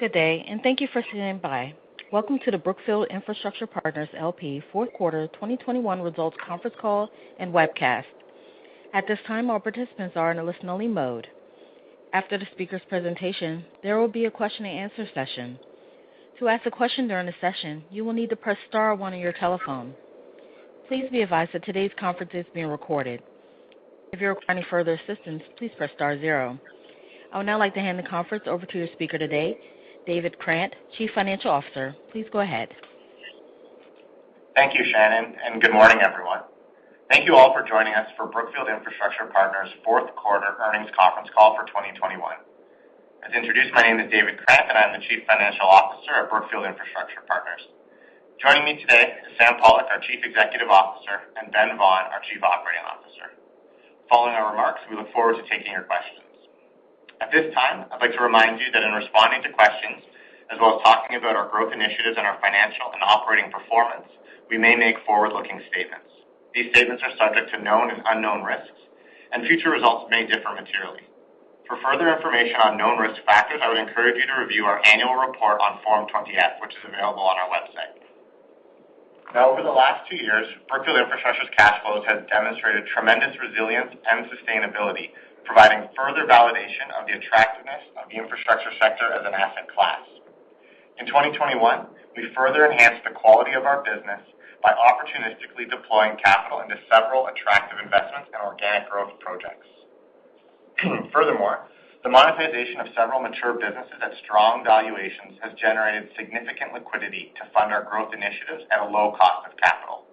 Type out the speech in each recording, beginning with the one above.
Good day, and thank you for standing by. Welcome to the Brookfield Infrastructure Partners L.P. Fourth Quarter 2021 Results Conference Call and Webcast. At this time, all participants are in a listen-only mode. After the speaker's presentation, there will be a question-and-answer session. To ask a question during the session, you will need to press star one on your telephone. Please be advised that today's conference is being recorded. If you require any further assistance, please press star zero. I would now like to hand the conference over to the speaker today, David Krant, Chief Financial Officer. Please go ahead. Thank you, Shannon, and good morning, everyone. Thank you all for joining us for Brookfield Infrastructure Partners' fourth quarter earnings conference call for 2021. As introduced, my name is David Krant, and I'm the Chief Financial Officer at Brookfield Infrastructure Partners. Joining me today is Sam Pollock, our Chief Executive Officer, and Ben Vaughan, our Chief Operating Officer. Following our remarks, we look forward to taking your questions. At this time, I'd like to remind you that in responding to questions, as well as talking about our growth initiatives and our financial and operating performance, we may make forward-looking statements. These statements are subject to known and unknown risks, and future results may differ materially. For further information on known risk factors, I would encourage you to review our annual report on Form 20-F, which is available on our website. Now, over the last two years, Brookfield Infrastructure's cash flows have demonstrated tremendous resilience and sustainability, providing further validation of the attractiveness of the infrastructure sector as an asset class. In 2021, we further enhanced the quality of our business by opportunistically deploying capital into several attractive investments and organic growth projects. Furthermore, the monetization of several mature businesses at strong valuations has generated significant liquidity to fund our growth initiatives at a low cost of capital.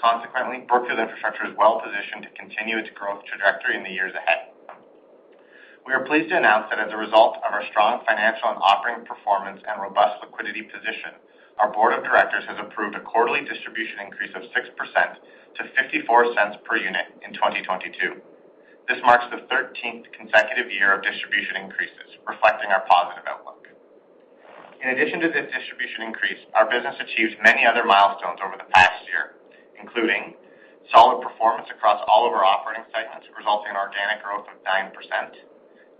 Consequently, Brookfield Infrastructure is well-positioned to continue its growth trajectory in the years ahead. We are pleased to announce that as a result of our strong financial and operating performance and robust liquidity position, our board of directors has approved a quarterly distribution increase of 6% to $0.54 per unit in 2022. This marks the 13th consecutive year of distribution increases reflecting our positive outlook. In addition to this distribution increase, our business achieved many other milestones over the past year, including solid performance across all of our operating segments, resulting in organic growth of 9%,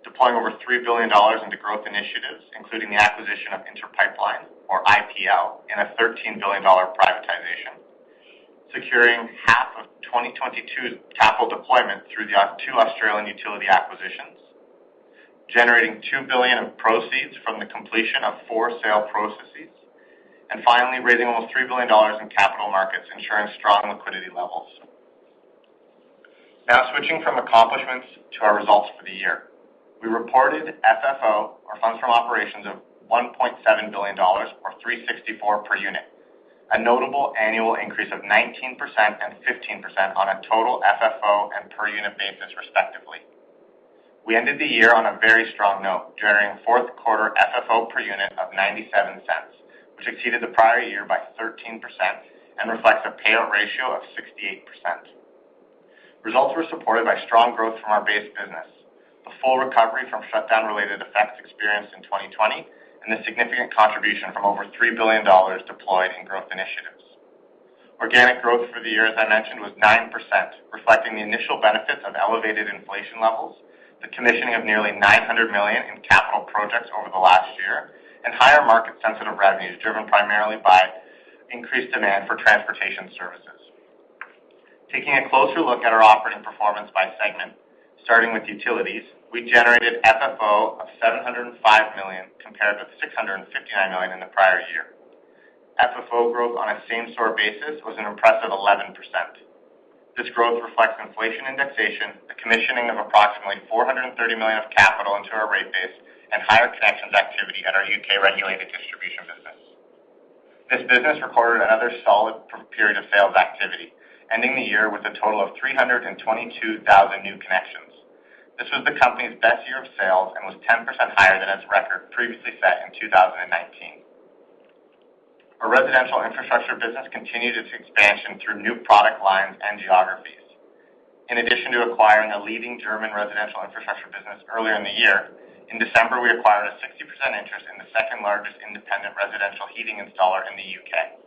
deploying over $3 billion into growth initiatives, including the acquisition of Inter Pipeline or IPL in a $13 billion privatization, securing half of 2022's capital deployment through the two Australian utility acquisitions, generating $2 billion of proceeds from the completion of four sale processes, and finally raising almost $3 billion in capital markets, ensuring strong liquidity levels. Now, switching from accomplishments to our results for the year. We reported FFO or funds from operations of $1.7 billion or 364 per unit, a notable annual increase of 19% and 15% on a total FFO and per unit basis, respectively. We ended the year on a very strong note, generating fourth quarter FFO per unit of $0.97, which exceeded the prior year by 13% and reflects a payout ratio of 68%. Results were supported by strong growth from our base business, the full recovery from shutdown-related effects experienced in 2020, and the significant contribution from over $3 billion deployed in growth initiatives. Organic growth for the year, as I mentioned, was 9%, reflecting the initial benefits of elevated inflation levels, the commissioning of nearly $900 million in capital projects over the last year, and higher market sensitive revenues driven primarily by increased demand for transportation services. Taking a closer look at our operating performance by segment, starting with utilities, we generated FFO of $705 million compared with $659 million in the prior year. FFO growth on a same store basis was an impressive 11%. This growth reflects inflation indexation, the commissioning of approximately $430 million of capital into our rate base, and higher connections activity at our U.K. regulated distribution business. This business recorded another solid period of sales activity, ending the year with a total of 322,000 new connections. This was the company's best year of sales and was 10% higher than its record previously set in 2019. Our residential infrastructure business continued its expansion through new product lines and geographies. In addition to acquiring a leading German residential infrastructure business earlier in the year, in December, we acquired a 60% interest in the second largest independent residential heating installer in the U.K.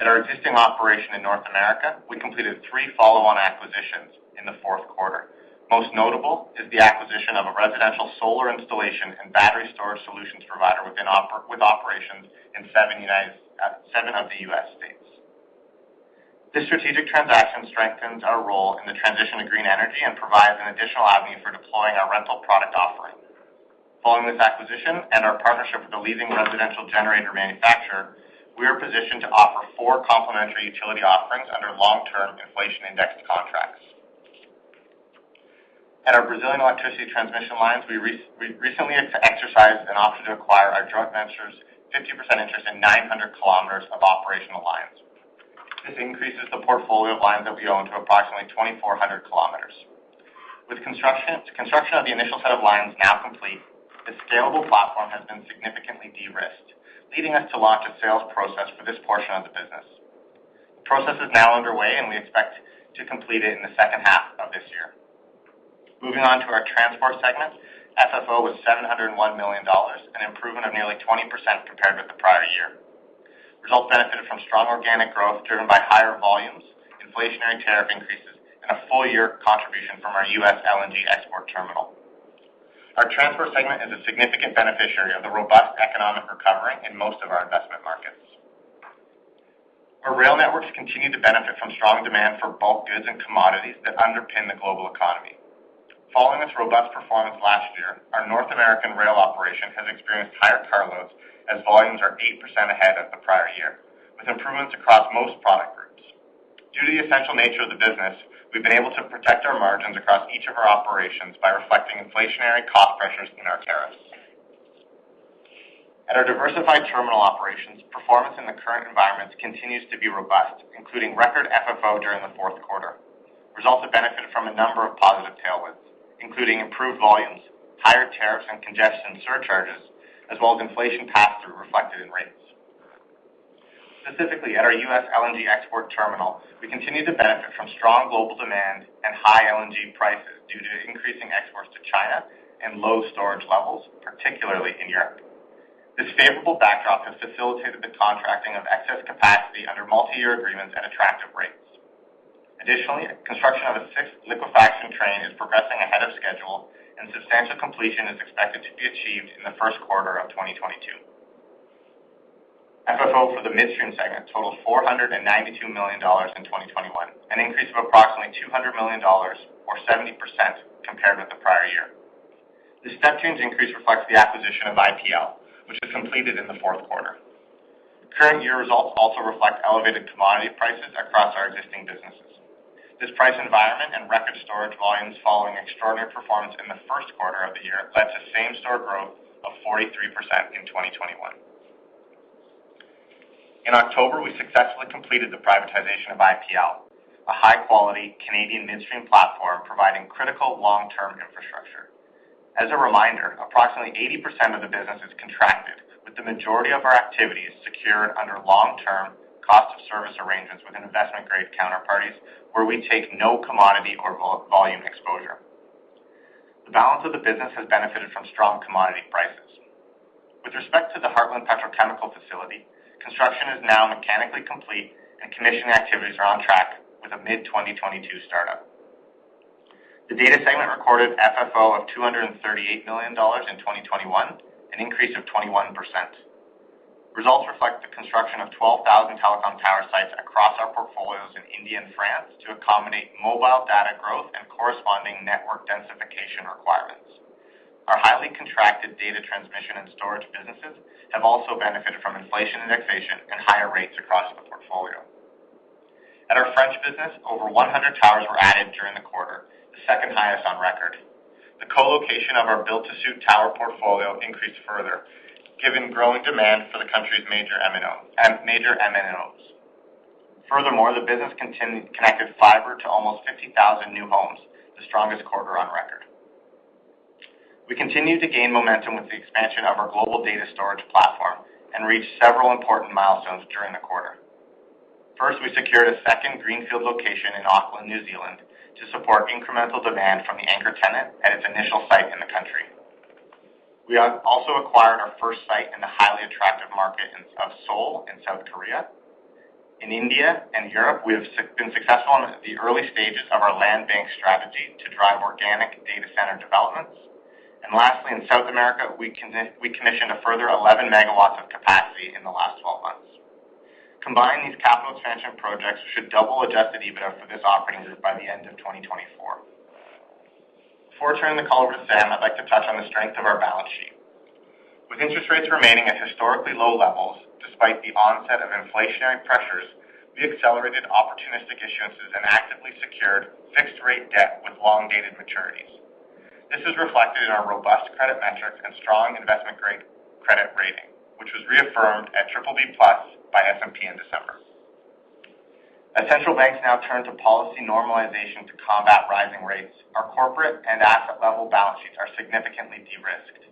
At our existing operation in North America, we completed 3 follow-on acquisitions in the fourth quarter. Most notable is the acquisition of a residential solar installation and battery storage solutions provider with operations in 7 U.S. states. This strategic transaction strengthens our role in the transition to green energy and provides an additional avenue for deploying our rental product offering. Following this acquisition and our partnership with a leading residential generator manufacturer, we are positioned to offer four complementary utility offerings under long-term inflation-indexed contracts. At our Brazilian electricity transmission lines, we recently exercised an option to acquire our joint venture's 50% interest in 900 km of operational lines. This increases the portfolio of lines that we own to approximately 2,400 km. With construction of the initial set of lines now complete, the scalable platform has been significantly de-risked, leading us to launch a sales process for this portion of the business. The process is now underway, and we expect to complete it in the second half of this year. Moving on to our transport segment, FFO was $701 million, an improvement of nearly 20%. Organic growth driven by higher volumes, inflationary tariff increases, and a full year contribution from our U.S. LNG export terminal. Our transport segment is a significant beneficiary of the robust economic recovery in most of our investment markets. Our rail networks continue to benefit from strong demand for bulk goods and commodities that underpin the global economy. Following its robust performance last year, our North American rail operation has experienced higher car loads as volumes are 8% ahead of the prior year, with improvements across most product groups. Due to the essential nature of the business, we've been able to protect our margins across each of our operations by reflecting inflationary cost pressures in our tariffs. At our diversified terminal operations, performance in the current environment continues to be robust, including record FFO during the fourth quarter. Results have benefited from a number of positive tailwinds, including improved volumes, higher tariffs and congestion surcharges, as well as inflation pass-through reflected in rates. Specifically, at our U.S. LNG export terminal, we continue to benefit from strong global demand and high LNG prices due to increasing exports to China and low storage levels, particularly in Europe. This favorable backdrop has facilitated the contracting of excess capacity under multi-year agreements at attractive rates. Additionally, construction of a sixth liquefaction train is progressing ahead of schedule, and substantial completion is expected to be achieved in the first quarter of 2022. FFO for the midstream segment totaled $492 million in 2021, an increase of approximately $200 million or 70% compared with the prior year. This step change increase reflects the acquisition of IPL, which was completed in the fourth quarter. Current year results also reflect elevated commodity prices across our existing businesses. This price environment and record storage volumes following extraordinary performance in the first quarter of the year led to same-store growth of 43% in 2021. In October, we successfully completed the privatization of IPL, a high-quality Canadian midstream platform providing critical long-term infrastructure. As a reminder, approximately 80% of the business is contracted, with the majority of our activities secured under long-term cost of service arrangements with investment-grade counterparties where we take no commodity or volume exposure. The balance of the business has benefited from strong commodity prices. With respect to the Heartland Petrochemical Complex, construction is now mechanically complete and commissioning activities are on track with a mid-2022 startup. The data segment recorded FFO of $238 million in 2021, an increase of 21%. Results reflect the construction of 12,000 telecom tower sites across our portfolios in India and France to accommodate mobile data growth and corresponding network densification requirements. Our highly contracted data transmission and storage businesses have also benefited from inflation indexation and higher rates across the portfolio. At our French business, over 100 towers were added during the quarter, the second highest on record. The co-location of our built to suit tower portfolio increased further, given growing demand for the country's major MNOs. Furthermore, the business continued connecting fiber to almost 50,000 new homes, the strongest quarter on record. We continued to gain momentum with the expansion of our global data storage platform and reached several important milestones during the quarter. First, we secured a second greenfield location in Auckland, New Zealand to support incremental demand from the anchor tenant at its initial site in the country. We also acquired our first site in the highly attractive market of Seoul in South Korea. In India and Europe, we have been successful in the early stages of our land bank strategy to drive organic data center developments. Lastly, in South America, we commissioned a further 11 MW of capacity in the last 12 months. Combining these capital expansion projects should double adjusted EBITDA for this operating group by the end of 2024. Before turning the call over to Sam, I'd like to touch on the strength of our balance sheet. With interest rates remaining at historically low levels despite the onset of inflationary pressures, we accelerated opportunistic issuances and actively secured fixed-rate debt with long-dated maturities. This is reflected in our robust credit metrics and strong investment grade credit rating, which was reaffirmed at BBB+ by S&P in December. As central banks now turn to policy normalization to combat rising rates, our corporate and asset level balance sheets are significantly de-risked.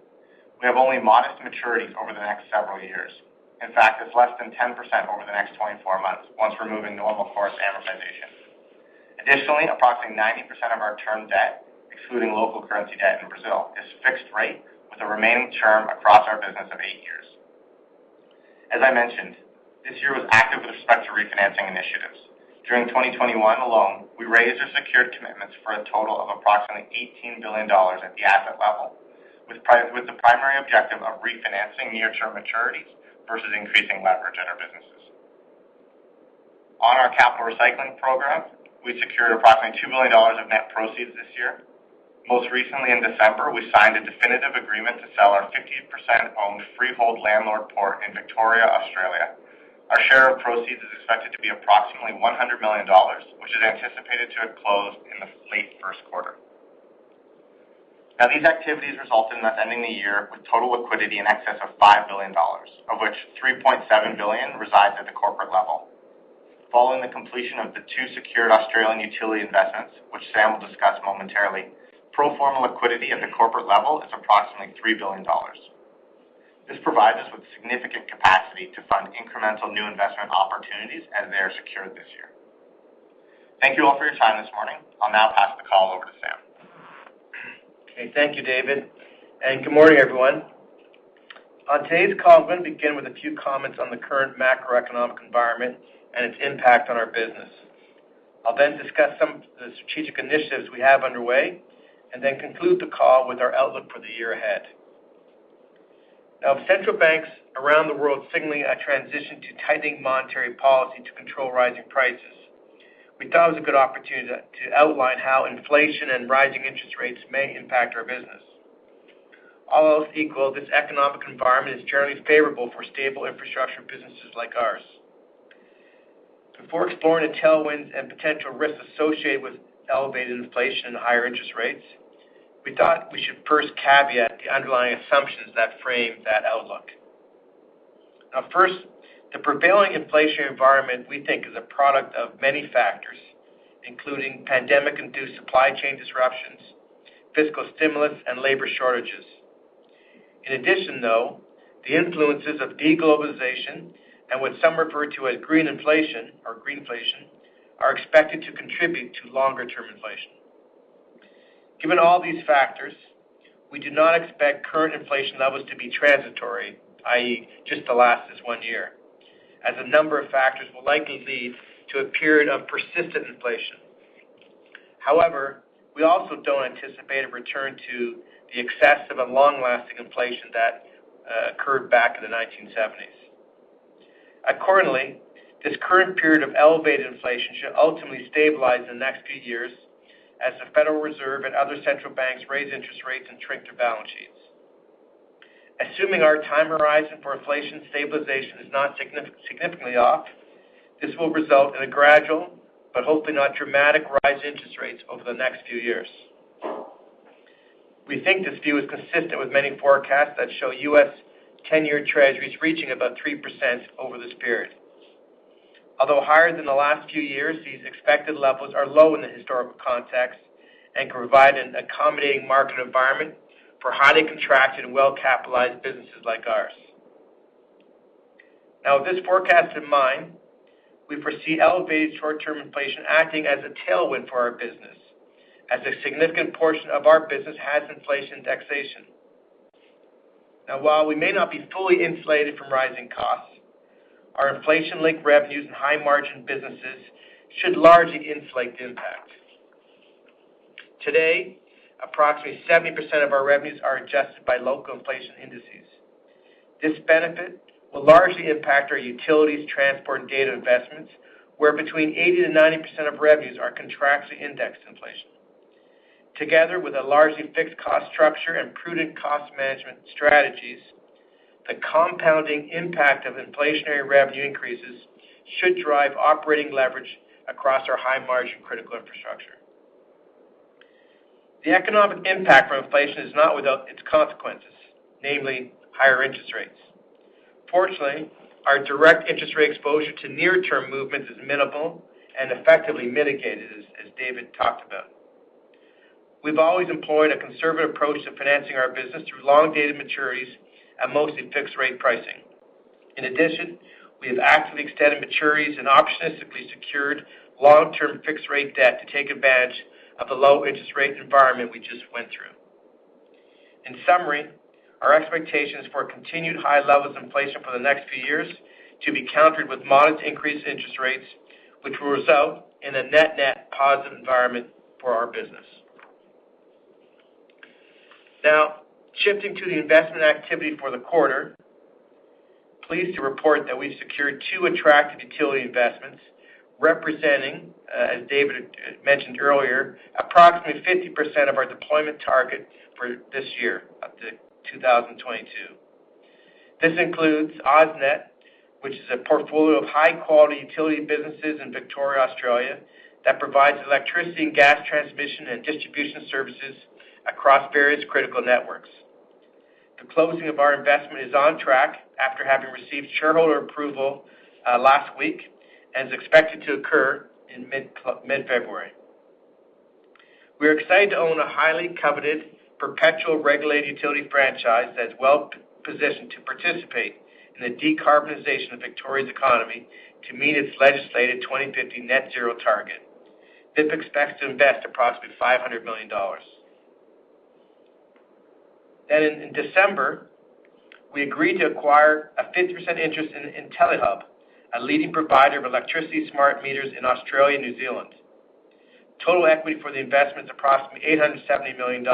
We have only modest maturities over the next several years. In fact, it's less than 10% over the next 24 months once removing normal course amortization. Additionally, approximately 90% of our term debt, excluding local currency debt in Brazil, is fixed rate with a remaining term across our business of 8 years. As I mentioned, this year was active with respect to refinancing initiatives. During 2021 alone, we raised or secured commitments for a total of approximately $18 billion at the asset level with the primary objective of refinancing near-term maturities versus increasing leverage in our businesses. On our capital recycling program, we secured approximately $2 billion of net proceeds this year. Most recently in December, we signed a definitive agreement to sell our 50% owned freehold landlord port in Victoria, Australia. Our share of proceeds is expected to be approximately $100 million, which is anticipated to have closed in the late first quarter. Now, these activities result in us ending the year with total liquidity in excess of $5 billion, of which $3.7 billion resides at the corporate level. Following the completion of the two secured Australian utility investments, which Sam will discuss momentarily, pro forma liquidity at the corporate level is approximately $3 billion. This provides us with significant capacity to fund incremental new investment opportunities as they are secured this year. Thank you all for your time this morning. I'll now pass the call over to Sam. Okay. Thank you, David, and good morning, everyone. On today's call, I'm gonna begin with a few comments on the current macroeconomic environment and its impact on our business. I'll then discuss some of the strategic initiatives we have underway and then conclude the call with our outlook for the year ahead. Now, with central banks around the world signaling a transition to tightening monetary policy to control rising prices, we thought it was a good opportunity to outline how inflation and rising interest rates may impact our business. All else equal, this economic environment is generally favorable for stable infrastructure businesses like ours. Before exploring the tailwinds and potential risks associated with elevated inflation and higher interest rates, we thought we should first caveat the underlying assumptions that frame that outlook. Now, first, the prevailing inflationary environment, we think, is a product of many factors, including pandemic-induced supply chain disruptions, fiscal stimulus, and labor shortages. In addition, though, the influences of de-globalization and what some refer to as green inflation or greenflation, are expected to contribute to longer-term inflation. Given all these factors, we do not expect current inflation levels to be transitory, i.e., just to last this one year, as a number of factors will likely lead to a period of persistent inflation. However, we also don't anticipate a return to the excessive and long-lasting inflation that occurred back in the 1970s. Accordingly, this current period of elevated inflation should ultimately stabilize in the next few years as the Federal Reserve and other central banks raise interest rates and shrink their balance sheets. Assuming our time horizon for inflation stabilization is not significantly off, this will result in a gradual, but hopefully not dramatic, rise in interest rates over the next few years. We think this view is consistent with many forecasts that show U.S. 10-year Treasuries reaching about 3% over this period. Although higher than the last few years, these expected levels are low in the historical context and can provide an accommodating market environment for highly contracted and well-capitalized businesses like ours. Now, with this forecast in mind, we foresee elevated short-term inflation acting as a tailwind for our business, as a significant portion of our business has inflation indexation. Now, while we may not be fully insulated from rising costs, our inflation-linked revenues and high-margin businesses should largely insulate the impact. Today, approximately 70% of our revenues are adjusted by local inflation indices. This benefit will largely impact our utilities, transport, and data investments, where between 80%-90% of revenues are contractually indexed to inflation. Together with a largely fixed cost structure and prudent cost management strategies, the compounding impact of inflationary revenue increases should drive operating leverage across our high-margin critical infrastructure. The economic impact from inflation is not without its consequences, namely higher interest rates. Fortunately, our direct interest rate exposure to near-term movements is minimal and effectively mitigated, as David talked about. We've always employed a conservative approach to financing our business through long-dated maturities and mostly fixed-rate pricing. In addition, we have actively extended maturities and opportunistically secured long-term fixed-rate debt to take advantage of the low interest rate environment we just went through. In summary, our expectation is for continued high levels of inflation for the next few years to be countered with modest increased interest rates, which will result in a net-net positive environment for our business. Now, shifting to the investment activity for the quarter. Pleased to report that we've secured two attractive utility investments representing, as David mentioned earlier, approximately 50% of our deployment target for this year up to 2022. This includes AusNet, which is a portfolio of high-quality utility businesses in Victoria, Australia, that provides electricity and gas transmission and distribution services across various critical networks. The closing of our investment is on track after having received shareholder approval last week and is expected to occur in mid-February. We are excited to own a highly coveted, perpetual regulated utility franchise that's well positioned to participate in the decarbonization of Victoria's economy to meet its legislated 2050 net zero target. BIP expects to invest approximately $500 million. In December, we agreed to acquire a 50% interest in Intellihub, a leading provider of electricity smart meters in Australia and New Zealand. Total equity for the investment is approximately $870 million,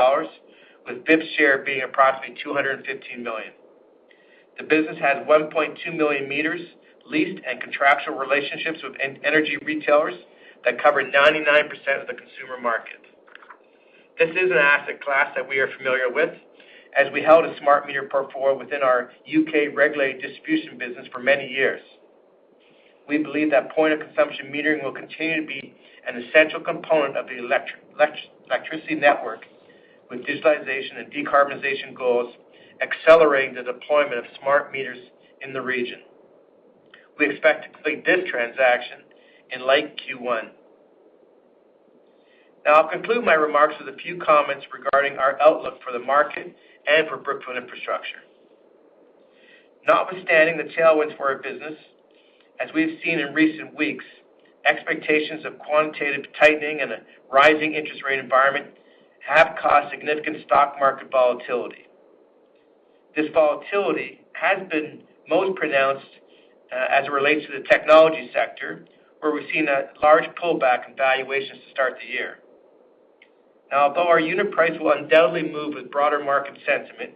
with BIP's share being approximately $215 million. The business has 1.2 million meters leased and contractual relationships with energy retailers that cover 99% of the consumer market. This is an asset class that we are familiar with, as we held a smart meter portfolio within our U.K. regulated distribution business for many years. We believe that point-of-consumption metering will continue to be an essential component of the electricity network, with digitalization and decarbonization goals accelerating the deployment of smart meters in the region. We expect to complete this transaction in late Q1. Now, I'll conclude my remarks with a few comments regarding our outlook for the market and for Brookfield Infrastructure. Notwithstanding the tailwinds for our business, as we've seen in recent weeks, expectations of quantitative tightening and a rising interest rate environment have caused significant stock market volatility. This volatility has been most pronounced, as it relates to the technology sector, where we've seen a large pullback in valuations to start the year. Now, although our unit price will undoubtedly move with broader market sentiment,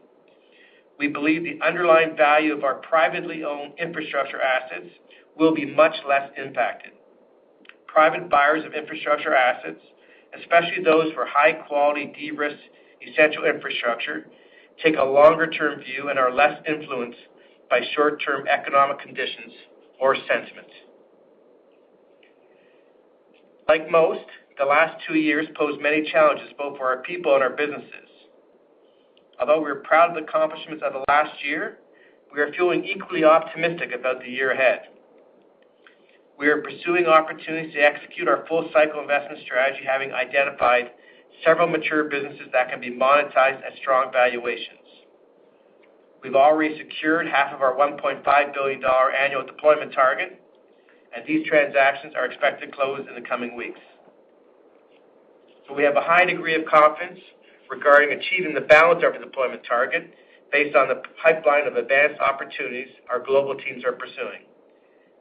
we believe the underlying value of our privately owned infrastructure assets will be much less impacted. Private buyers of infrastructure assets, especially those for high-quality de-risked essential infrastructure, take a longer-term view and are less influenced by short-term economic conditions or sentiment. Like most, the last two years posed many challenges, both for our people and our businesses. Although we're proud of the accomplishments of the last year, we are feeling equally optimistic about the year ahead. We are pursuing opportunities to execute our full-cycle investment strategy, having identified several mature businesses that can be monetized at strong valuations. We've already secured half of our $1.5 billion annual deployment target, and these transactions are expected to close in the coming weeks. We have a high degree of confidence regarding achieving the balance of our deployment target based on the pipeline of advanced opportunities our global teams are pursuing,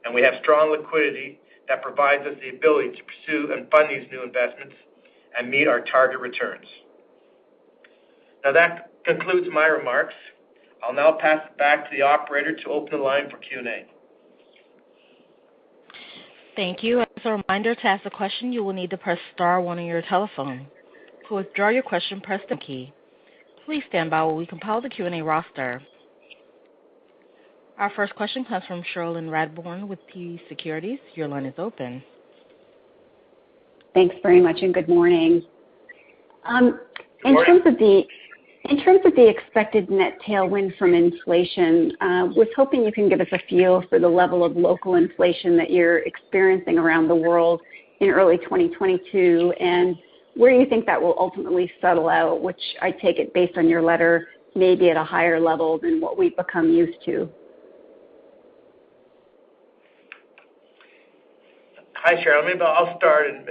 and we have strong liquidity that provides us the ability to pursue and fund these new investments and meet our target returns. Now, that concludes my remarks. I'll now pass it back to the operator to open the line for Q&A. Thank you. As a reminder, to ask a question, you will need to press star one on your telephone. To withdraw your question, press the key. Please stand by while we compile the Q&A roster. Our first question comes from Cherilyn Radbourne with TD Cowen. Your line is open. Thanks very much, and good morning. In terms of the- Sure. In terms of the expected net tailwind from inflation, was hoping you can give us a feel for the level of local inflation that you're experiencing around the world in early 2022 and where you think that will ultimately settle out, which I take it based on your letter may be at a higher level than what we've become used to? Hi, Sherylin. Maybe I'll start and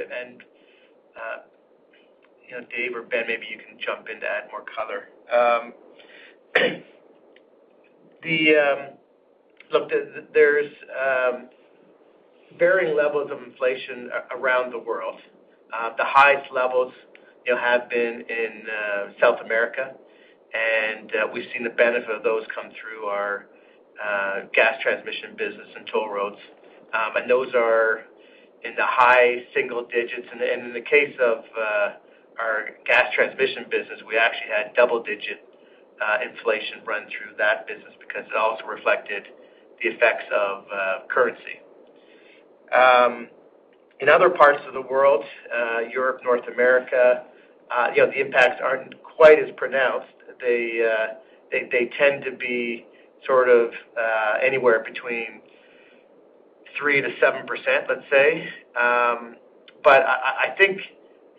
you know, Dave or Ben, maybe you can jump in to add more color. There's varying levels of inflation around the world. The highest levels, you know, have been in South America, and we've seen the benefit of those come through our gas transmission business and toll roads. Those are in the high single digits. In the case of our gas transmission business, we actually had double-digit inflation run through that business because it also reflected the effects of currency. In other parts of the world, Europe, North America, you know, the impacts aren't quite as pronounced. They tend to be sort of anywhere between 3%-7%, let's say. I think,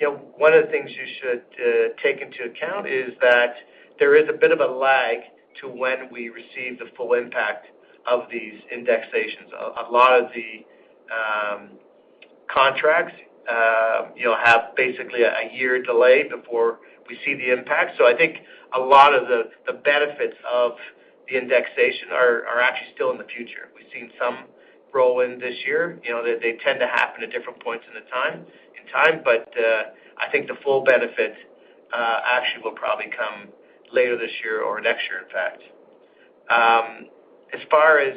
you know, one of the things you should take into account is that there is a bit of a lag to when we receive the full impact of these indexations. A lot of the contracts, you know, have basically a year delay before we see the impact. I think a lot of the benefits of the indexation are actually still in the future. We've seen some roll in this year. You know, they tend to happen at different points in time, but I think the full benefit actually will probably come later this year or next year, in fact. As far as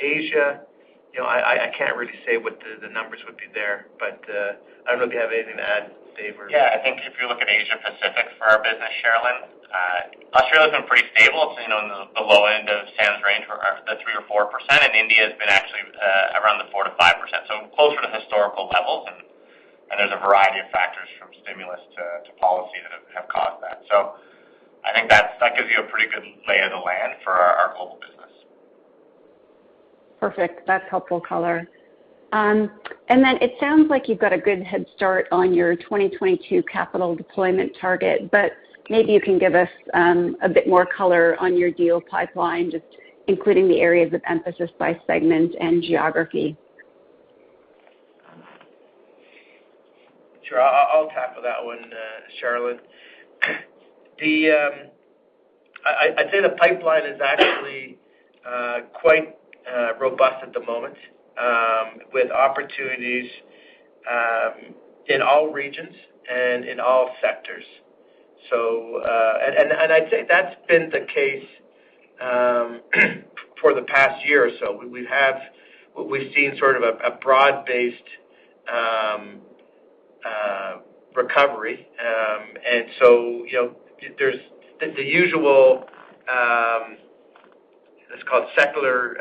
Asia, you know, I can't really say what the numbers would be there, but I don't know if you have anything to add, Dave or..... Yeah. I think if you look at Asia Pacific for our business, Sherylin, Australia's been pretty stable, so you know, in the low end of Sam's range for our the 3% or 4%, and India's been actually around the 4%-5%, so closer to historical levels and there's a variety of factors from stimulus to policy that have caused that. I think that gives you a pretty good lay of the land for our global business. Perfect. That's helpful color. Then it sounds like you've got a good head start on your 2022 capital deployment target, but maybe you can give us a bit more color on your deal pipeline, just including the areas of emphasis by segment and geography. Sure. I'll tackle that one, Sherylin. I'd say the pipeline is actually quite robust at the moment with opportunities in all regions and in all sectors. I'd say that's been the case for the past year or so. We've seen sort of a broad-based recovery, and so you know, there's the usual, it's called secular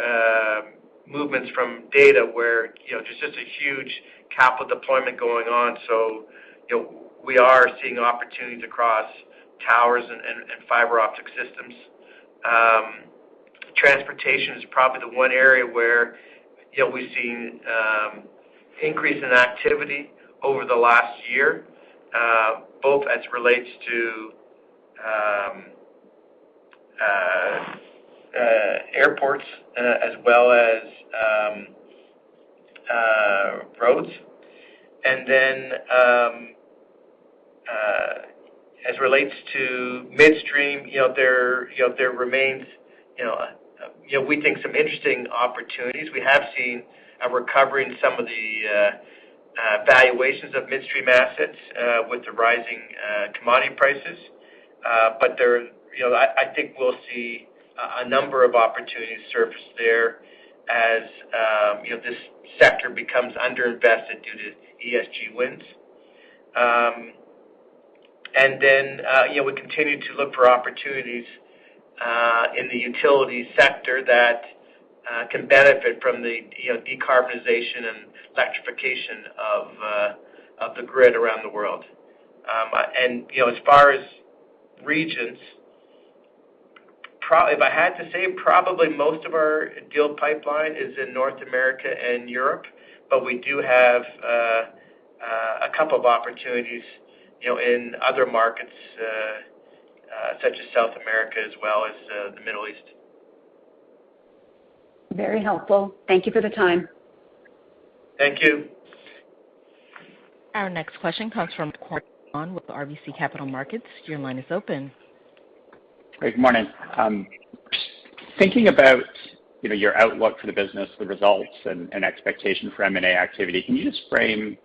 movements from data where you know, there's just a huge capital deployment going on. You know, we are seeing opportunities across towers and fiber optic systems. Transportation is probably the one area where you know, we've seen increase in activity over the last year, both as it relates to airports as well as roads. As it relates to midstream, you know, there remains, you know, we think some interesting opportunities. We have seen a recovery in some of the valuations of midstream assets with the rising commodity prices. I think we'll see a number of opportunities surface there as you know, this sector becomes underinvested due to ESG headwinds. We continue to look for opportunities in the utility sector that can benefit from the, you know, decarbonization and electrification of the grid around the world. You know, as far as regions, if I had to say, probably most of our deal pipeline is in North America and Europe, but we do have a couple of opportunities, you know, in other markets, such as South America as well as the Middle East. Very helpful. Thank you for the time. Thank you. Our next question comes from Robert Kwan with RBC Capital Markets. Your line is open. Good morning, thinking about, you know, your outlook for the business, the results and expectation for M&A activity, can you just frame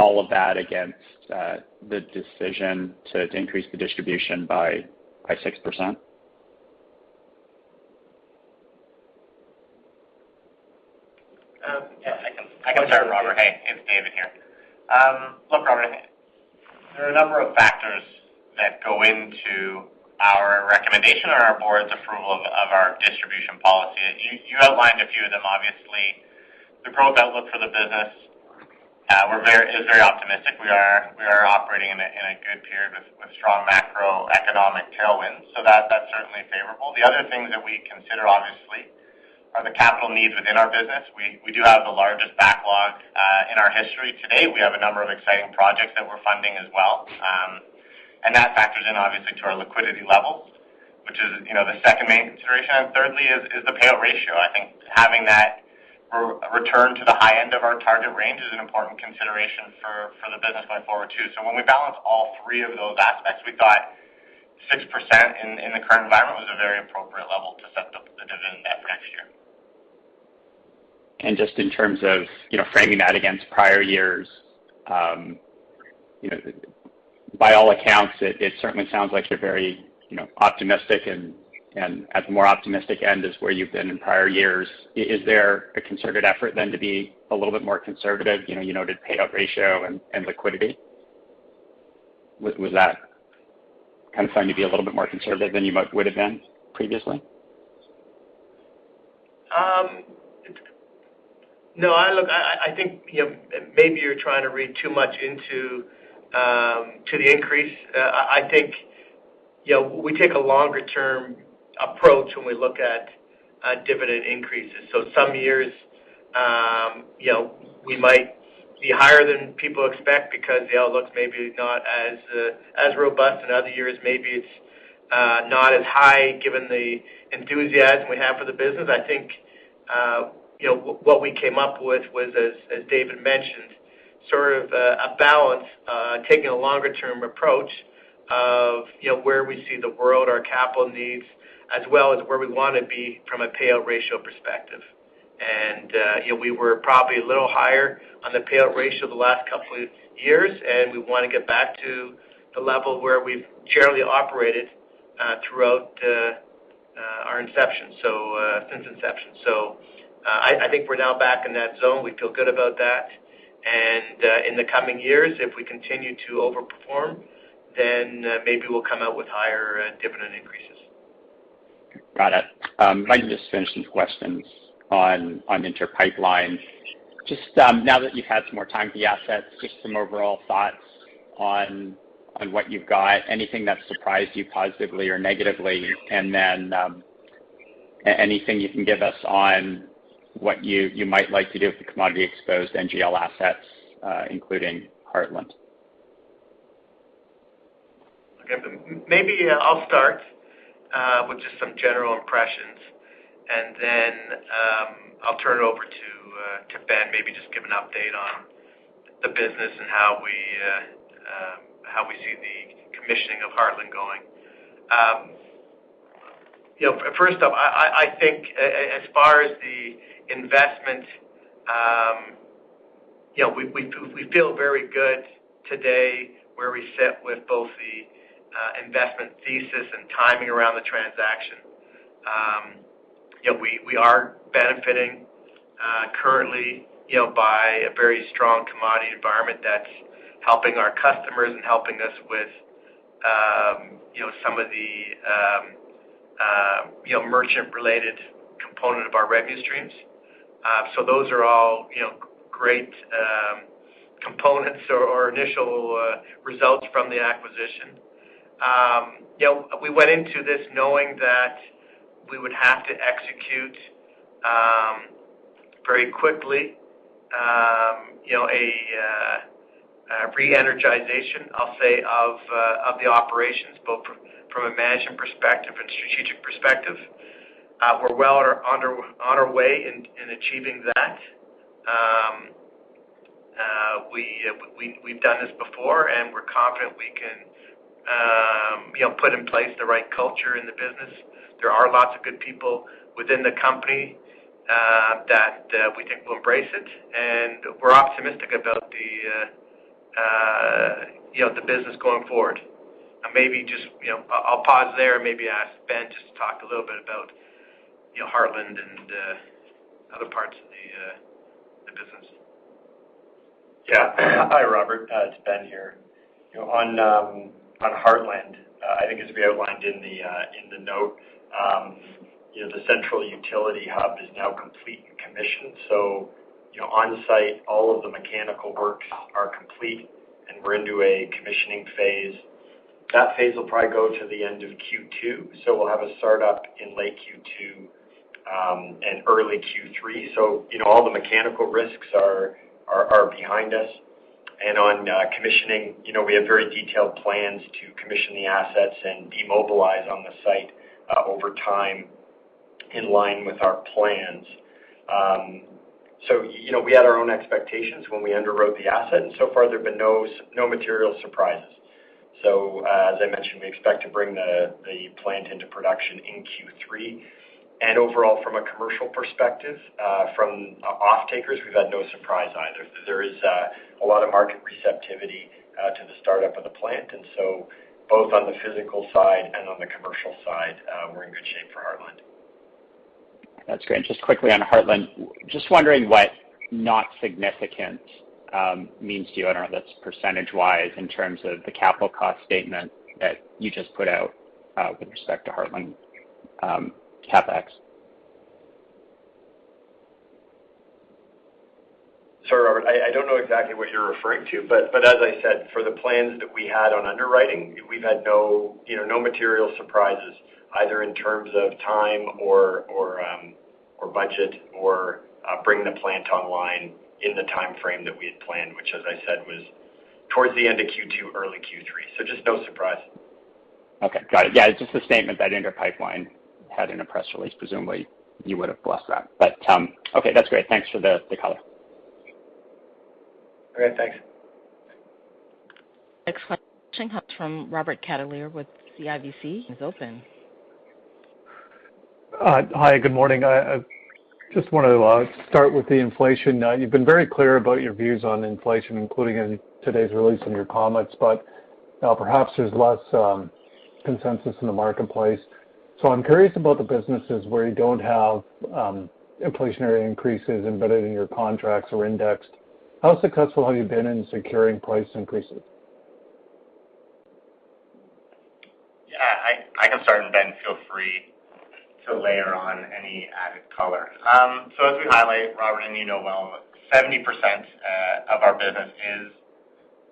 all of that against the decision to increase the distribution by 6%? Yeah, I can start, Robert. Hey, it's David here. Look, Robert, there are a number of factors that go into our recommendation or our board's approval of our distribution policy. You outlined a few of them, obviously. The growth outlook for the business is very optimistic. We are operating in a good period with strong macroeconomic tailwinds, so that's certainly favorable. The other things that we consider, obviously, are the capital needs within our business. We do have the largest backlog in our history today. We have a number of exciting projects that we're funding as well. That factors in obviously to our liquidity levels, which is, you know, the second main consideration. Thirdly is the payout ratio. I think having that return to the high end of our target range is an important consideration for the business going forward, too. When we balance all three of those aspects, we thought 6% in the current environment was a very appropriate level to set the dividend at for next year. Just in terms of, you know, framing that against prior years, you know, by all accounts, it certainly sounds like you're very, you know, optimistic and at the more optimistic end is where you've been in prior years. Is there a concerted effort then to be a little bit more conservative? You know, you noted payout ratio and liquidity. Was that kind of trying to be a little bit more conservative than you might would have been previously? No. Look, I think you know, maybe you're trying to read too much into the increase. I think you know, we take a longer-term approach when we look at dividend increases. Some years, you know, we might be higher than people expect because the outlook's maybe not as robust. In other years, maybe it's not as high given the enthusiasm we have for the business. I think you know, what we came up with was, as David mentioned, sort of a balance taking a longer-term approach of you know, where we see the world, our capital needs, as well as where we wanna be from a payout ratio perspective. You know, we were probably a little higher on the payout ratio the last couple of years, and we wanna get back to the level where we've generally operated throughout our inception, so since inception. I think we're now back in that zone. We feel good about that. In the coming years, if we continue to overperform, then maybe we'll come out with higher dividend increases. Got it. If I can just finish these questions on Inter Pipeline. Just now that you've had some more time with the assets, just some overall thoughts on what you've got, anything that surprised you positively or negatively, and then anything you can give us on what you might like to do with the commodity-exposed NGL assets, including Heartland? Okay. Maybe I'll start with just some general impressions, and then I'll turn it over to Ben, maybe just give an update on the business and how we see the commissioning of Heartland going. You know, first off, I think as far as the investment, you know, we feel very good today where we sit with both the investment thesis and timing around the transaction. You know, we are benefiting currently, you know, by a very strong commodity environment that's helping our customers and helping us with you know, some of the you know, merchant-related component of our revenue streams. Those are all, you know, great components or initial results from the acquisition. You know, we went into this knowing that we would have to execute very quickly, you know, a re-energization, I'll say, of the operations, both from a management perspective and strategic perspective. We're well on our way in achieving that. We've done this before, and we're confident we can put in place the right culture in the business. There are lots of good people within the company that we think will embrace it, and we're optimistic about the business going forward. Maybe just, you know, I'll pause there and maybe ask Ben just to talk a little bit about, you know, Heartland and other parts of the business. Yeah. Hi, Robert. It's Ben here. You know, on Heartland, I think as we outlined in the note, you know, the central utility hub is now complete and commissioned. You know, on-site, all of the mechanical works are complete, and we're into a commissioning phase. That phase will probably go to the end of Q2. We'll have a start-up in late Q2 and early Q3. You know, all the mechanical risks are behind us. On commissioning, you know, we have very detailed plans to commission the assets and demobilize on the site over time in line with our plans. You know, we had our own expectations when we underwrote the asset, and so far there have been no material surprises. As I mentioned, we expect to bring the plant into production in Q3. Overall, from a commercial perspective, from off-takers, we've had no surprise either. There is a lot of market receptivity to the start-up of the plant. Both on the physical side and on the commercial side, we're in good shape for Heartland. That's great. Just quickly on Heartland. Just wondering what not significant means to you. I don't know if that's percentage-wise in terms of the capital cost statement that you just put out, with respect to Heartland, CapEx? Sorry, Robert. I don't know exactly what you're referring to, but as I said, for the plans that we had on underwriting, we've had no, you know, material surprises either in terms of time or budget or bringing the plant online in the timeframe that we had planned, which as I said, was towards the end of Q2, early Q3. Just no surprise. Okay. Got it. Yeah. It's just a statement that Inter Pipeline had in a press release. Presumably, you would have blessed that. Okay, that's great. Thanks for the color. All right. Thanks. Next question comes from Robert Catellier with CIBC. He's open. Hi, good morning. I just wanted to start with the inflation. Now, you've been very clear about your views on inflation, including in today's release in your comments, but perhaps there's less consensus in the marketplace. I'm curious about the businesses where you don't have inflationary increases embedded in your contracts or indexed. How successful have you been in securing price increases? Yeah. I can start, and Ben, feel free to layer on any added color. As we highlight, Robert, and you know well, 70% of our business is,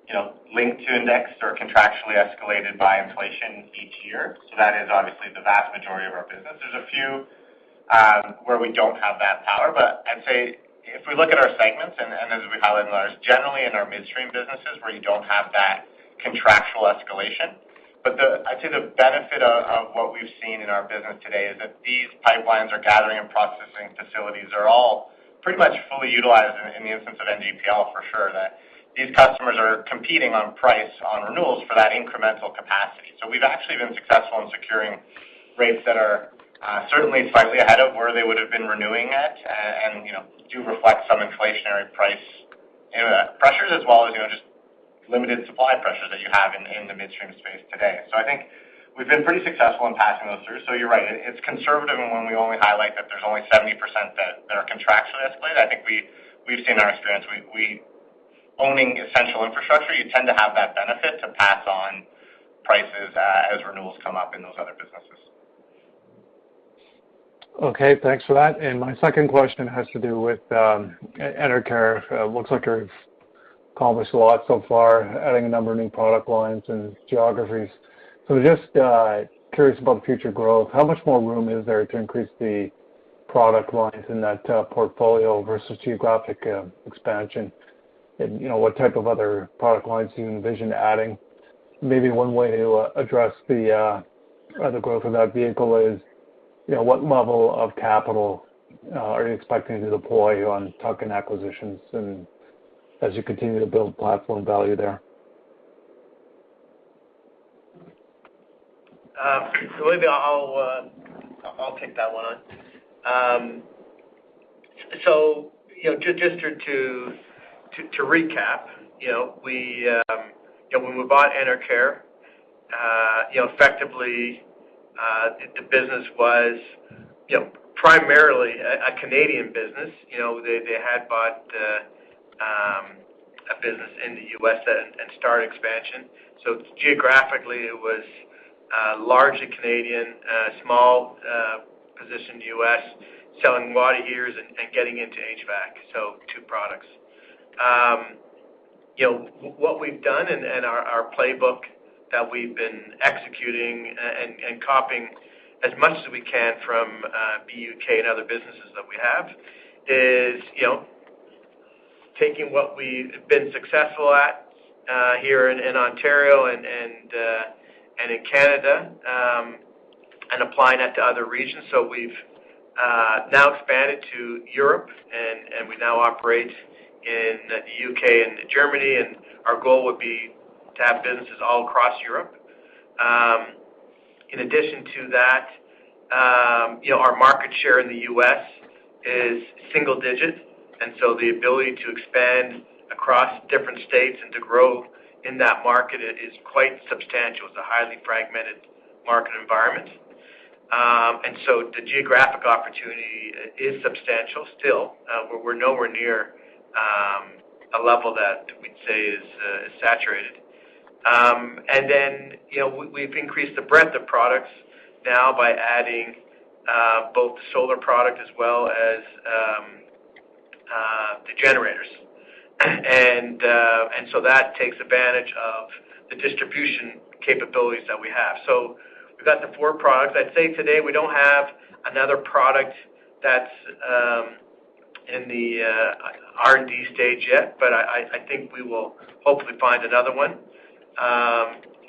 you know, linked to indexed or contractually escalated by inflation each year. That is obviously the vast majority of our business. There's a few where we don't have that power, but I'd say if we look at our segments and as we highlight in ours, generally in our midstream businesses where you don't have that contractual escalation. I'd say the benefit of what we've seen in our business today is that these pipelines or gathering and processing facilities are all pretty much fully utilized in the instance of NDPL for sure, that these customers are competing on price on renewals for that incremental capacity. We've actually been successful in securing rates that are certainly slightly ahead of where they would have been renewing at, and you know, do reflect some inflationary price, you know, pressures as well as, you know, just limited supply pressures that you have in the midstream space today. I think we've been pretty successful in passing those through. You're right. It's conservative when we only highlight that there's only 70% that are contractually escalated. I think we've seen in our experience, owning essential infrastructure, you tend to have that benefit to pass on prices as renewals come up in those other businesses. Okay. Thanks for that. My second question has to do with Enercare. Looks like you've accomplished a lot so far, adding a number of new product lines and geographies. Just curious about future growth. How much more room is there to increase the product lines in that portfolio versus geographic expansion? You know, what type of other product lines do you envision adding? Maybe one way to address the other growth of that vehicle is, you know, what level of capital are you expecting to deploy on tuck-in acquisitions and as you continue to build platform value there? Maybe I'll take that one on. Just to recap, you know, when we bought Enercare, you know, effectively, the business was, you know, primarily a Canadian business. You know, they had bought a business in the U.S. and started expansion. Geographically, it was largely Canadian, small in the U.S. selling water heaters and getting into HVAC, two products. You know, what we've done and our playbook that we've been executing and copying as much as we can from BUUK and other businesses that we have is, you know, taking what we've been successful at here in Ontario and in Canada and applying that to other regions. We've now expanded to Europe and we now operate in the U.K. and Germany. Our goal would be to have businesses all across Europe. In addition to that, you know, our market share in the U.S. is single digit, and the ability to expand across different states and to grow in that market is quite substantial. It's a highly fragmented market environment. The geographic opportunity is substantial still. We're nowhere near a level that we'd say is saturated. You know, we've increased the breadth of products now by adding both solar product as well as the generators. That takes advantage of the distribution capabilities that we have. We've got the four products. I'd say today we don't have another product that's in the R&D stage yet, but I think we will hopefully find another one.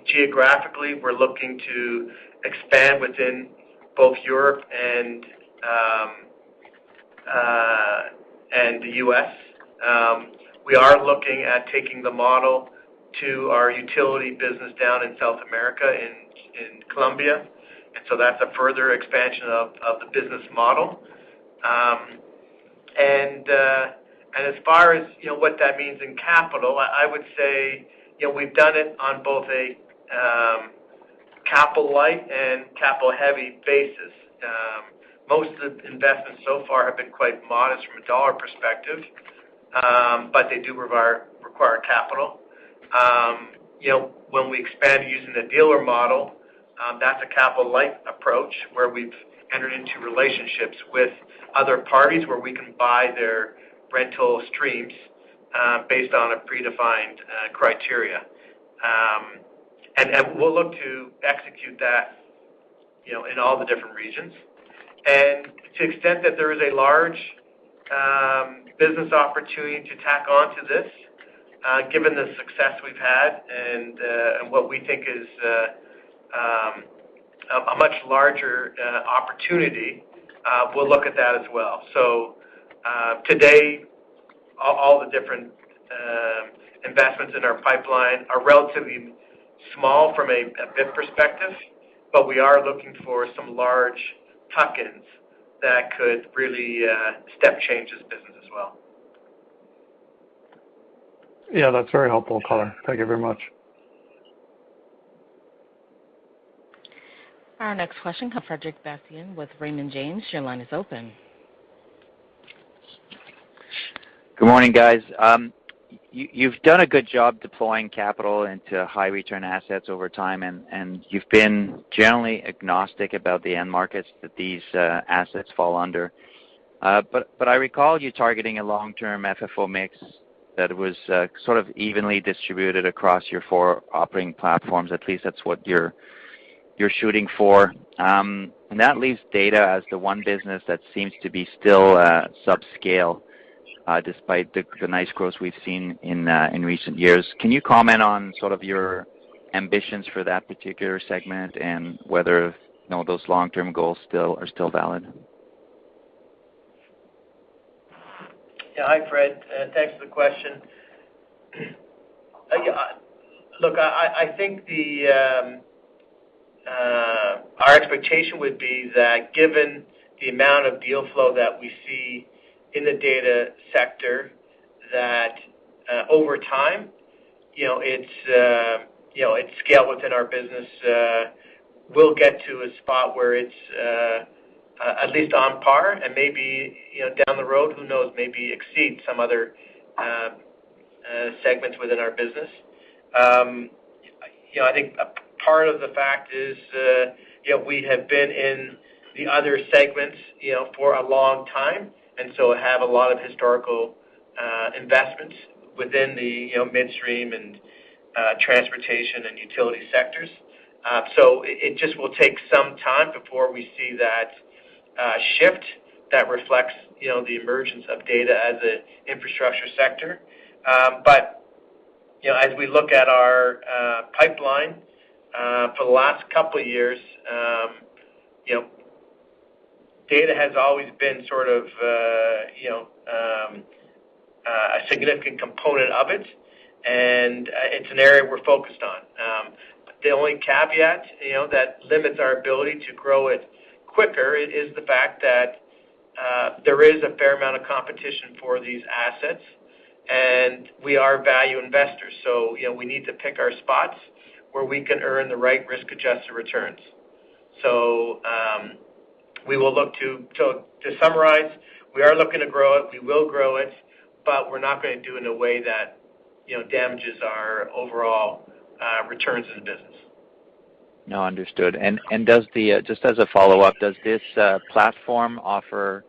Geographically, we're looking to expand within both Europe and the U.S. We are looking at taking the model to our utility business down in South America, in Colombia. That's a further expansion of the business model. As far as, you know, what that means in capital, I would say, you know, we've done it on both a capital light and capital heavy basis. Most of the investments so far have been quite modest from a dollar perspective, but they do require capital. You know, when we expand using the dealer model, that's a capital light approach where we've entered into relationships with other parties where we can buy their rental streams based on a predefined criteria. We'll look to execute that, you know, in all the different regions. To the extent that there is a large business opportunity to tack on to this, given the success we've had and what we think is a much larger opportunity, we'll look at that as well. Today, all the different investments in our pipeline are relatively small from a BIP perspective, but we are looking for some large tuck-ins that could really step change this business as well. Yeah, that's very helpful, Robert. Thank you very much. Our next question comes from Frederic Bastien with Raymond James. Your line is open. Good morning, guys. You've done a good job deploying capital into high return assets over time, and you've been generally agnostic about the end markets that these assets fall under. But I recall you targeting a long-term FFO mix that was sort of evenly distributed across your four operating platforms. At least that's what you're shooting for. And that leaves data as the one business that seems to be still subscale, despite the nice growth we've seen in recent years. Can you comment on sort of your ambitions for that particular segment and whether, you know, those long-term goals are still valid? Yeah. Hi, Frederic. Thanks for the question. Look, I think our expectation would be that given the amount of deal flow that we see in the data sector, that over time, you know, it's scale within our business, we'll get to a spot where it's at least on par and maybe, you know, down the road, who knows, maybe exceed some other segments within our business. You know, I think a part of the fact is, you know, we have been in the other segments, you know, for a long time and so have a lot of historical investments within the midstream and transportation and utility sectors. It just will take some time before we see that shift that reflects, you know, the emergence of data as an infrastructure sector. You know, as we look at our pipeline for the last couple of years, you know, data has always been sort of, you know, a significant component of it, and it's an area we're focused on. The only caveat, you know, that limits our ability to grow it quicker is the fact that there is a fair amount of competition for these assets, and we are value investors. You know, we need to pick our spots where we can earn the right risk-adjusted returns. To summarize, we are looking to grow it. We will grow it, but we're not gonna do it in a way that you know, damages our overall returns in the business. No, understood. Just as a follow-up, does this platform offer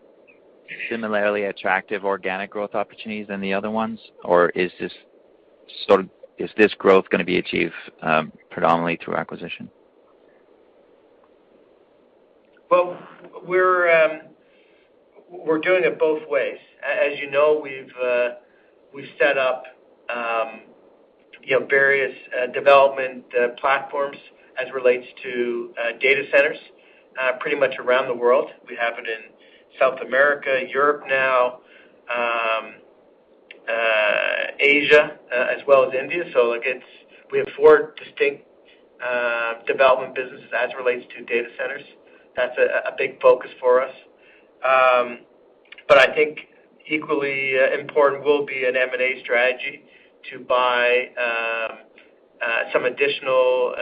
similarly attractive organic growth opportunities than the other ones? Is this growth gonna be achieved predominantly through acquisition? Well, we're doing it both ways. As you know, we've set up, you know, various development platforms as relates to data centers pretty much around the world. We have it in South America, Europe now, Asia, as well as India. We have four distinct development businesses as it relates to data centers. That's a big focus for us. I think equally important will be an M&A strategy to buy some additional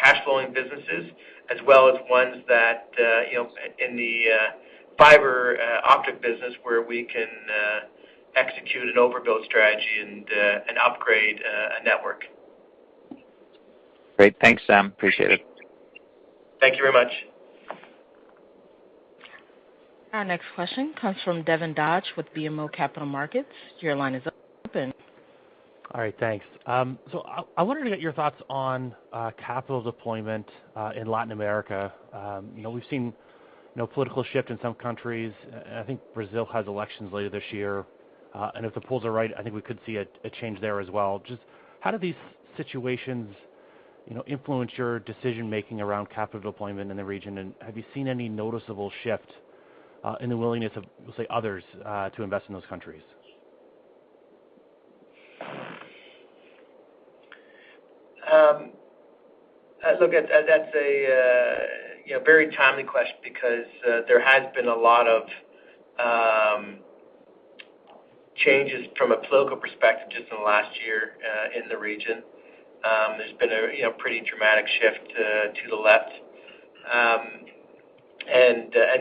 cash flowing businesses as well as ones that, you know, in the fiber optic business where we can execute an overbuild strategy and upgrade a network. Great. Thanks, Sam. Appreciate it. Thank you very much. Our next question comes from Devin Dodge with BMO Capital Markets. Your line is open. All right. Thanks. I wanted to get your thoughts on capital deployment in Latin America. You know, we've seen a political shift in some countries. I think Brazil has elections later this year. If the polls are right, I think we could see a change there as well. Just how do these situations, you know, influence your decision-making around capital deployment in the region? And have you seen any noticeable shift in the willingness of, say, others to invest in those countries? Look, that's a you know, very timely question because there has been a lot of changes from a political perspective just in the last year in the region. There's been a you know, pretty dramatic shift to the left.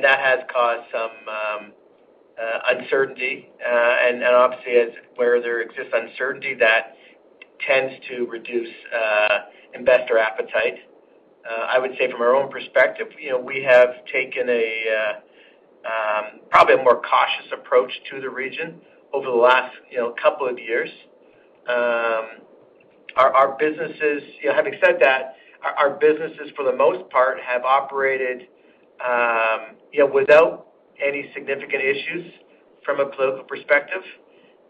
That has caused some uncertainty. Obviously, where there exists uncertainty, that tends to reduce investor appetite. I would say from our own perspective, you know, we have taken probably a more cautious approach to the region over the last you know, couple of years. Having said that, our businesses, for the most part, have operated you know, without any significant issues from a political perspective,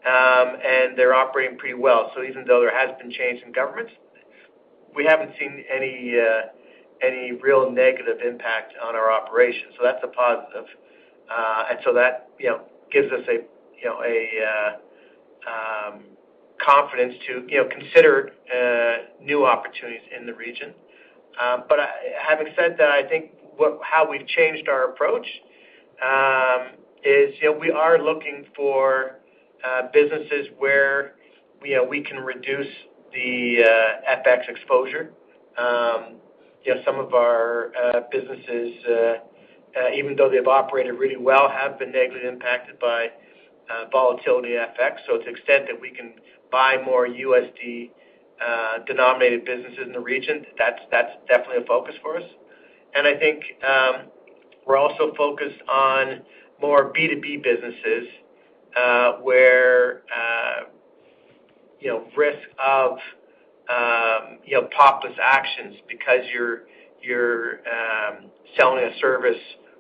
and they're operating pretty well. Even though there has been change in governments, we haven't seen any real negative impact on our operations. That's a positive. That, you know, gives us a, you know, a confidence to, you know, consider new opportunities in the region. But having said that, I think how we've changed our approach is, you know, we are looking for businesses where, you know, we can reduce the FX exposure. You know, some of our businesses, even though they've operated really well, have been negatively impacted by volatility FX. To the extent that we can buy more USD denominated businesses in the region, that's definitely a focus for us. I think we're also focused on more B2B businesses, where you know risk of you know populist actions because you're selling a service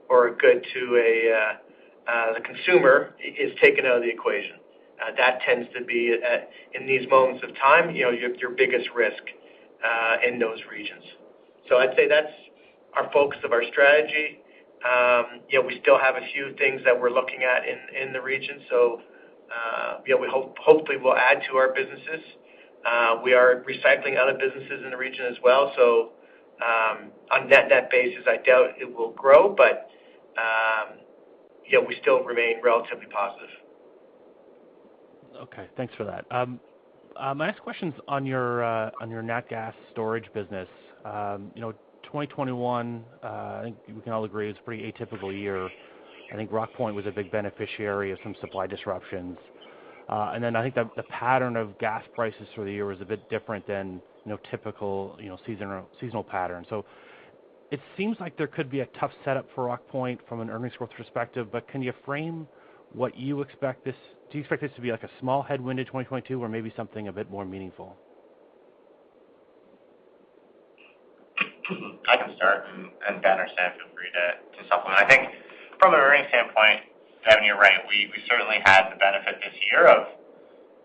or a good to a consumer is taken out of the equation. That tends to be in these moments of time, you know, your biggest risk in those regions. I'd say that's our focus of our strategy. You know, we still have a few things that we're looking at in the region. You know, we hopefully will add to our businesses. We are recycling other businesses in the region as well. On net basis, I doubt it will grow, but you know, we still remain relatively positive. Okay. Thanks for that. My next question's on your nat gas storage business. You know, 2021, I think we can all agree it was a pretty atypical year. I think Rockpoint was a big beneficiary of some supply disruptions. And then I think the pattern of gas prices for the year was a bit different than typical seasonal pattern. It seems like there could be a tough setup for Rockpoint from an earnings growth perspective, but can you frame what you expect this to be? Do you expect this to be like a small headwind in 2022 or maybe something a bit more meaningful? I can start, and Ben or Sam, feel free to supplement. I think from an earnings standpoint, Devin, you're right. We certainly had the benefit this year of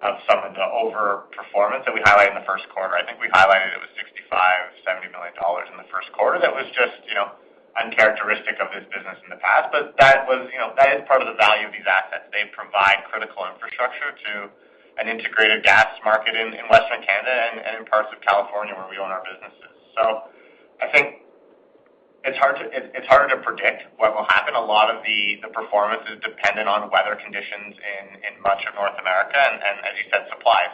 some of the overperformance that we highlighted in the first quarter. I think we highlighted it was $65 milllion-$70 million in the first quarter. That was just, you know, uncharacteristic of this business in the past. That was, you know, that is part of the value of these assets. They provide critical infrastructure to an integrated gas market in Western Canada and parts of California where we own our businesses. I think it's harder to predict what will happen. A lot of the performance is dependent on weather conditions in much of North America and, as you said, supply.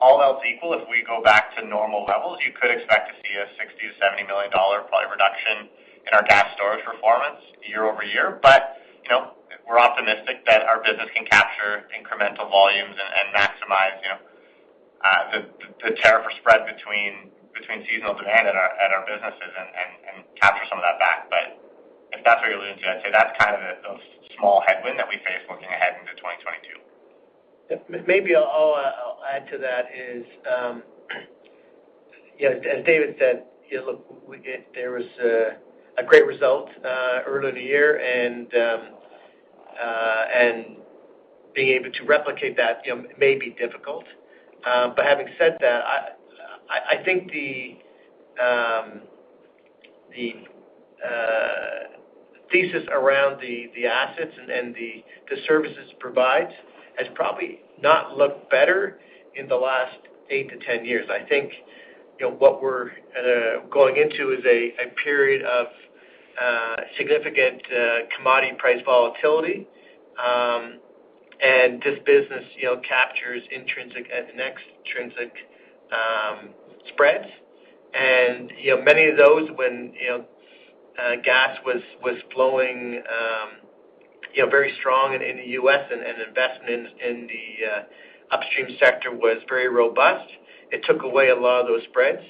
all else equal, if we go back to normal levels, you could expect to see a $60 million-$70 million probably reduction in our gas storage performance year-over-year. But You know, we're optimistic that our business can capture incremental volumes and maximize, you know, the tariff or spread between seasonal demand at our businesses and capture some of that back. If that's what you're alluding to, I'd say that's kind of those small headwind that we face looking ahead into 2022. Maybe I'll add to that is, you know, as David said, you know, look, there was a great result earlier in the year, and being able to replicate that, you know, may be difficult. But having said that, I think the thesis around the assets and the services it provides has probably not looked better in the last 8-10 years. I think, you know, what we're going into is a period of significant commodity price volatility. And this business, you know, captures intrinsic and extrinsic spreads. And, you know, many of those when, you know, gas was flowing very strong in the U.S. and investment in the upstream sector was very robust. It took away a lot of those spreads.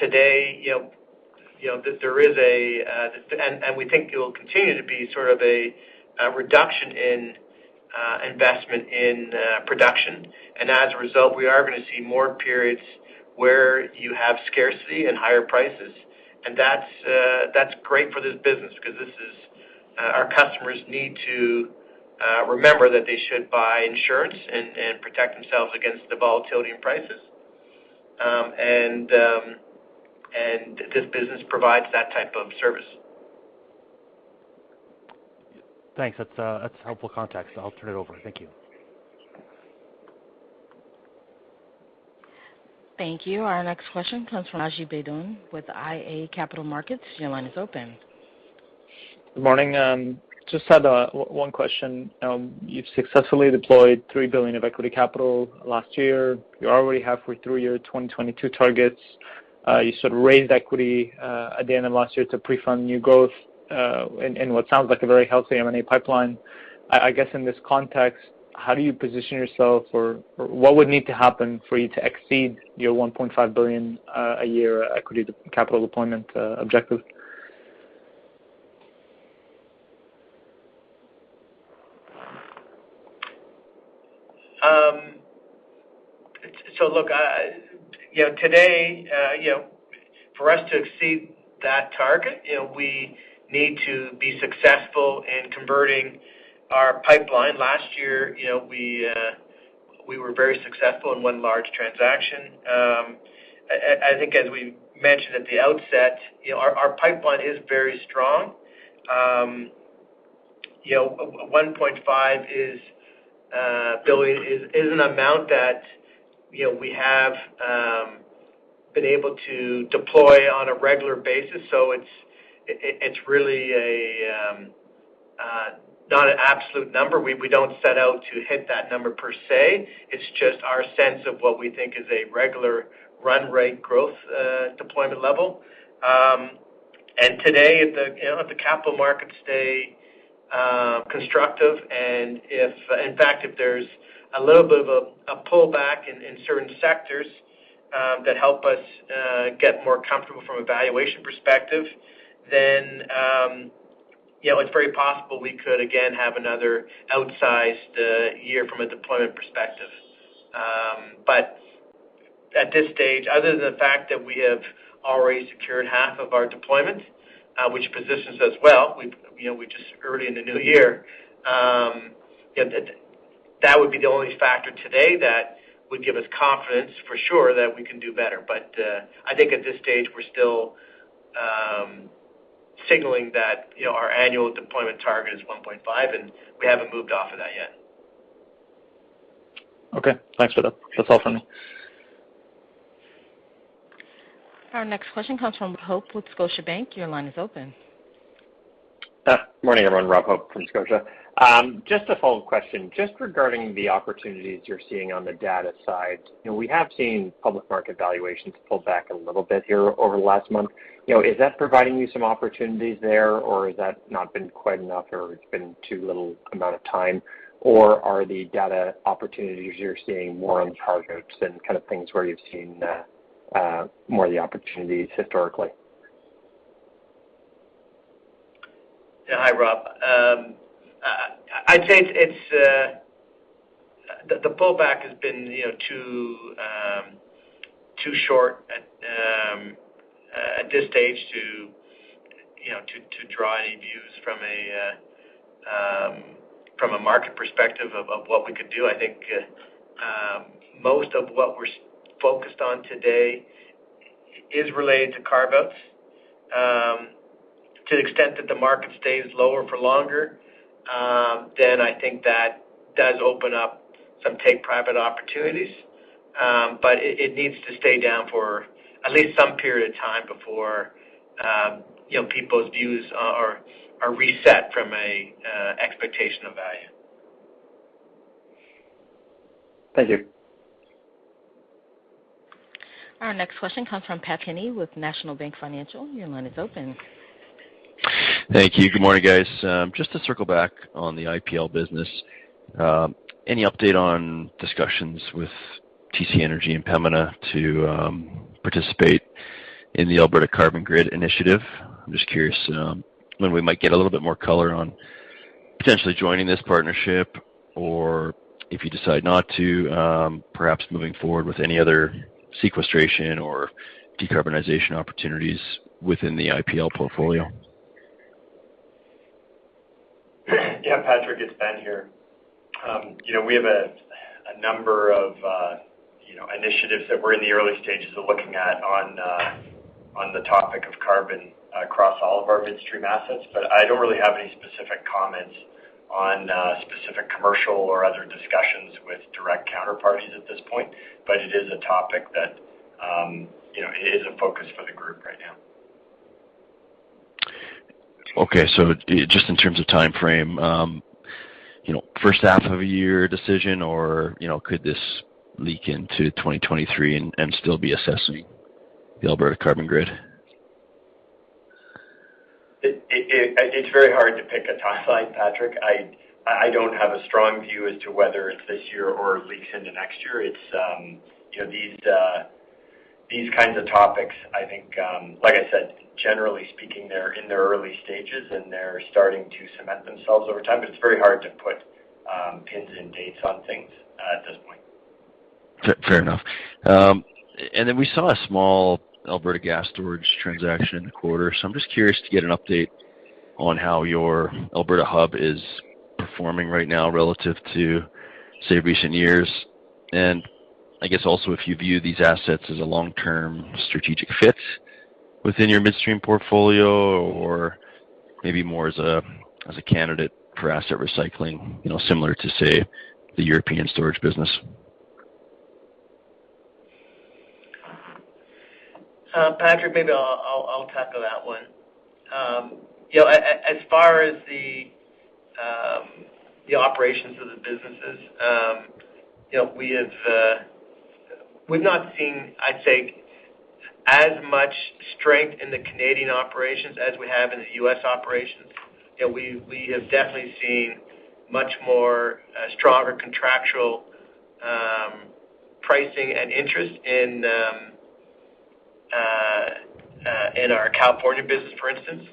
Today, you know, there is a reduction in investment in production. As a result, we are gonna see more periods where you have scarcity and higher prices. That's great for this business because this is our customers need to remember that they should buy insurance and protect themselves against the volatility in prices. This business provides that type of service. Thanks. That's helpful context. I'll turn it over. Thank you. Thank you. Our next question comes from Rajiv Baid with iA Capital Markets. Your line is open. Good morning. Just had one question. You've successfully deployed $3 billion of equity capital last year. You're already halfway through your 2022 targets. You sort of raised equity at the end of last year to prefund new growth in what sounds like a very healthy M&A pipeline. I guess in this context, how do you position yourself or what would need to happen for you to exceed your $1.5 billion a year equity capital deployment objective? Look, you know, today, you know, for us to exceed that target, you know, we need to be successful in converting our pipeline. Last year, you know, we were very successful in one large transaction. I think as we mentioned at the outset, you know, our pipeline is very strong. You know, $1.5 billion is an amount that, you know, we have been able to deploy on a regular basis. It's really a not an absolute number. We don't set out to hit that number per se. It's just our sense of what we think is a regular run rate growth, deployment level. Today, if the, you know, if the capital markets stay constructive and in fact, if there's a little bit of a pullback in certain sectors, that help us get more comfortable from a valuation perspective, then, you know, it's very possible we could again have another outsized year from a deployment perspective. At this stage, other than the fact that we have already secured half of our deployment, which positions us well, we've, you know, early in the new year, you know, that would be the only factor today that would give us confidence for sure that we can do better. I think at this stage, we're still signaling that, you know, our annual deployment target is 1.5, and we haven't moved off of that yet. Okay. Thanks for that. That's all from me. Our next question comes from Robert Hope with Scotiabank. Your line is open. Morning, everyone. Robert Hope from Scotia. Just a follow-up question. Just regarding the opportunities you're seeing on the data side, you know, we have seen public market valuations pull back a little bit here over the last month. You know, is that providing you some opportunities there, or has that not been quite enough, or it's been too little amount of time? Or are the data opportunities you're seeing more on carve-outs and kind of things where you've seen more of the opportunities historically? Yeah. Hi, Rob. I'd say the pullback has been too short at this stage to draw any views from a market perspective of what we could do. I think most of what we're focused on today is related to carve-outs. To the extent that the market stays lower for longer, I think that does open up some take private opportunities. It needs to stay down for at least some period of time before people's views are reset from an expectation of value. Thank you. Our next question comes from Patrick Kenny with National Bank Financial. Your line is open. Thank you. Good morning, guys. Just to circle back on the IPL business, any update on discussions with TC Energy and Pembina to participate in the Alberta Carbon Grid initiative? I'm just curious, when we might get a little bit more color on potentially joining this partnership or if you decide not to, perhaps moving forward with any other sequestration or decarbonization opportunities within the IPL portfolio. Yeah, Patrick, it's Ben here. You know, we have a number of initiatives that we're in the early stages of looking at on the topic of carbon across all of our midstream assets, but I don't really have any specific comments on specific commercial or other discussions with direct counterparties at this point. It is a topic that, you know, it is a focus for the group right now. Okay. Just in terms of timeframe, you know, first half of a year decision or, you know, could this leak into 2023 and still be assessing the Alberta Carbon Grid? It's very hard to pick a timeline, Patrick. I don't have a strong view as to whether it's this year or leaks into next year. It's you know these kinds of topics, I think, like I said, generally speaking, they're in their early stages, and they're starting to cement themselves over time, but it's very hard to put pins and dates on things at this point. Fair enough. We saw a small Alberta gas storage transaction this quarter. I'm just curious to get an update on how your Alberta hub is performing right now relative to, say, recent years. I guess also, if you view these assets as a long-term strategic fit within your midstream portfolio or maybe more as a candidate for asset recycling, you know, similar to, say, the European storage business. Patrick, maybe I'll tackle that one. You know, as far as the operations of the businesses, you know, we have. We've not seen, I'd say, as much strength in the Canadian operations as we have in the U.S. operations. You know, we have definitely seen much more stronger contractual pricing and interest in our California business, for instance.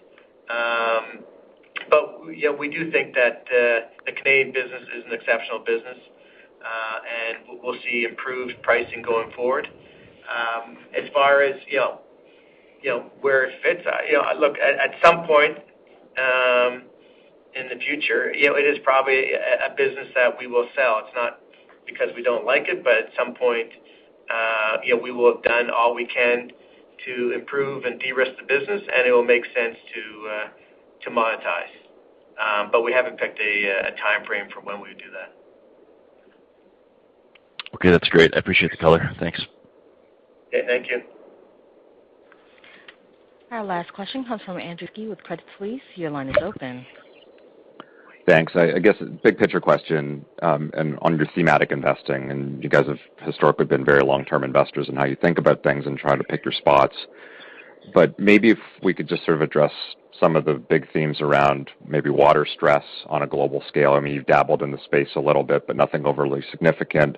You know, we do think that the Canadian business is an exceptional business, and we'll see improved pricing going forward. As far as you know where it fits, you know, look, at some point in the future, you know, it is probably a business that we will sell. It's not because we don't like it, but at some point, you know, we will have done all we can to improve and de-risk the business, and it will make sense to monetize. We haven't picked a timeframe for when we would do that. Okay, that's great. I appreciate the color. Thanks. Okay, thank you. Our last question comes from Andrew Kuske with Credit Suisse. Your line is open. Thanks. I guess big picture question, and on your thematic investing. You guys have historically been very long-term investors in how you think about things and try to pick your spots. Maybe if we could just sort of address some of the big themes around maybe water stress on a global scale. I mean, you've dabbled in the space a little bit, but nothing overly significant.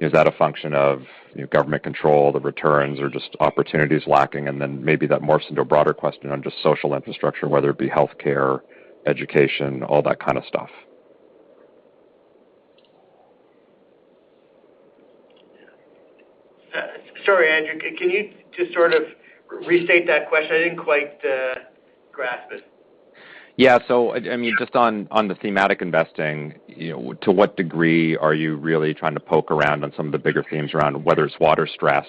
Is that a function of, you know, government control, the returns or just opportunities lacking? Then maybe that morphs into a broader question on just social infrastructure, whether it be healthcare, education, all that kind of stuff. Sorry, Andrew, can you just sort of restate that question? I didn't quite grasp it. Yeah. I mean, just on the thematic investing, you know, to what degree are you really trying to poke around on some of the bigger themes around whether it's water stress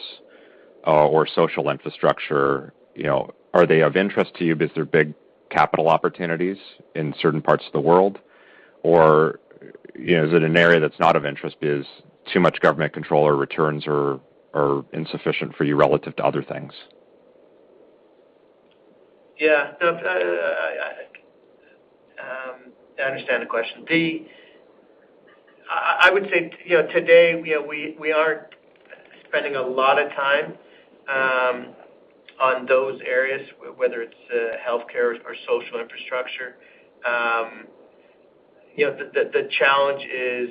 or social infrastructure. You know, are they of interest to you? Is there big capital opportunities in certain parts of the world? Or, you know, is it an area that's not of interest because too much government control or returns are insufficient for you relative to other things? Yeah. No, I understand the question. I would say, you know, today, you know, we aren't spending a lot of time on those areas, whether it's healthcare or social infrastructure. You know, the challenge is,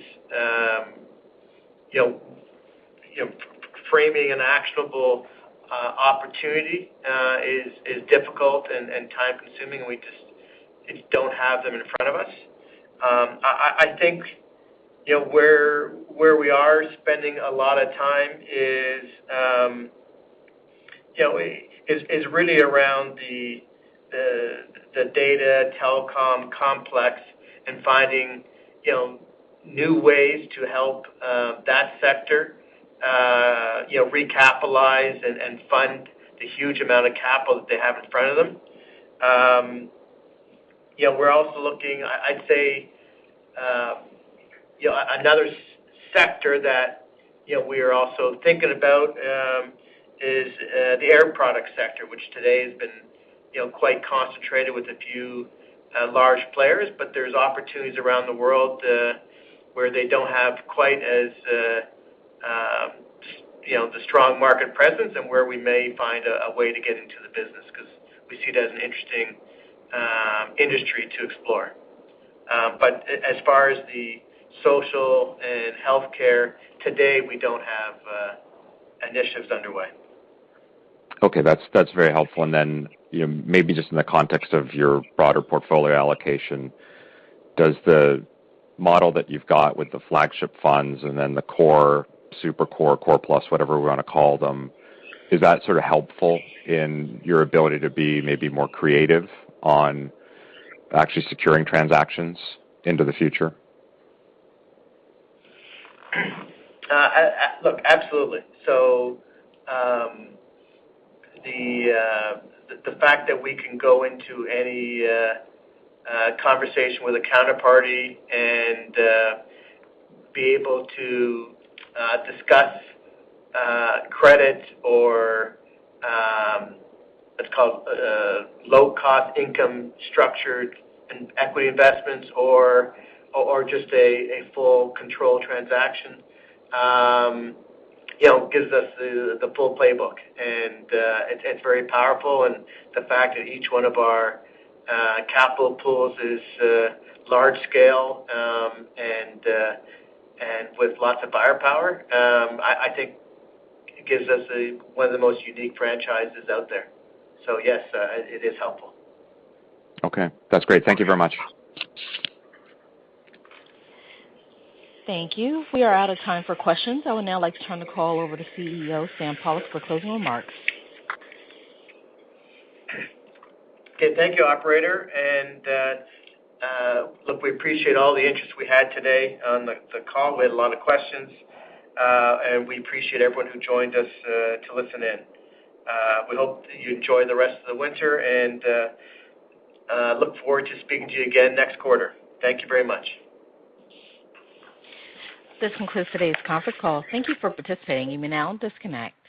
you know, framing an actionable opportunity is difficult and time-consuming, and we just don't have them in front of us. I think, you know, where we are spending a lot of time is, you know, is really around the data telecom complex and finding, you know, new ways to help that sector, you know, recapitalize and fund the huge amount of capital that they have in front of them. You know, we're also looking I'd say, you know, another sector that, you know, we are also thinking about is the air product sector, which today has been you know quite concentrated with a few large players, but there's opportunities around the world where they don't have quite as you know the strong market presence and where we may find a way to get into the business 'cause we see it as an interesting industry to explore. But as far as the social and healthcare, today, we don't have initiatives underway. Okay. That's very helpful. Then, you know, maybe just in the context of your broader portfolio allocation, does the model that you've got with the flagship funds and then the core, super core plus, whatever we wanna call them, is that sort of helpful in your ability to be maybe more creative on actually securing transactions into the future? Look, absolutely. The fact that we can go into any conversation with a counterparty and be able to discuss credits or what's called low-cost income structured and equity investments or just a full control transaction, you know, gives us the full playbook. It's very powerful. The fact that each one of our capital pools is large scale and with lots of firepower, I think gives us one of the most unique franchises out there. Yes, it is helpful. Okay. That's great. Thank you very much. Thank you. We are out of time for questions. I would now like to turn the call over to CEO Sam Pollock for closing remarks. Okay. Thank you, operator. We appreciate all the interest we had today on the call. We had a lot of questions. We appreciate everyone who joined us to listen in. We hope you enjoy the rest of the winter and look forward to speaking to you again next quarter. Thank you very much. This concludes today's conference call. Thank you for participating. You may now disconnect.